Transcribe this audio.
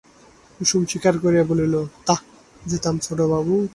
কুসুম স্বীকার করিয়া বলিল, তা যেতাম ছোটবাবু!